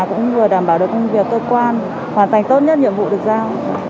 cũng vừa đảm bảo được công việc cơ quan hoàn thành tốt nhất nhiệm vụ được giao